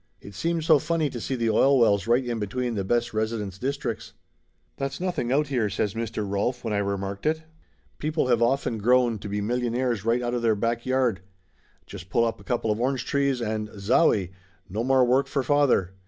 It seemed so funny to see the oil wells right in between the best residence districts. "That's nothing out here!" says Mr. Rolf when I remarked it. "People have often grown to be million aires right out of their back yard. Just pull up a couple of orange trees, and zowie ! No more work for father.